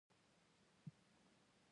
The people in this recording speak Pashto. مه کوه جانانه ولې کوې؟